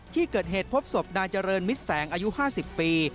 ที่เกิดเหตุพบศพนายเจริญมิตรแสงอายุ๕๐ปี